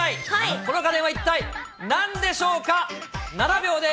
この家電は一体なんでしょうか？